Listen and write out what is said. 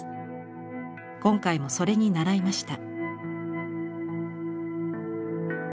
今回もそれに倣いました。